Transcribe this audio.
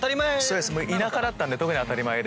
田舎だったんで特に当たり前で。